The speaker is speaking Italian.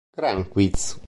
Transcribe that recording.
Gran Quiz".